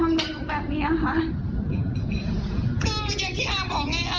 อ้าน้องเป็นคนที่เก็บป่อตั้งตอนนี้ส่งเสริมว่าพุทธศาสนา